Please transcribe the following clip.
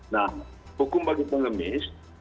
nah hukum bagi pengemis